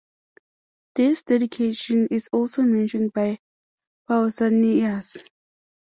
This dedication is also mentioned by Pausanias.